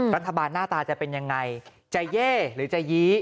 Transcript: รัฐบาลหน้าตาจะเป็นยังไงจะเย่หรือจะยี้